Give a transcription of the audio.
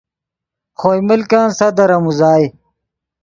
خوئے ملکن صدر ام اوزائے